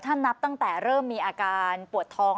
ถ้านับตั้งแต่เริ่มมีอาการปวดท้อง